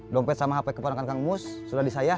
dompet sama hp kepada kang mus sudah di saya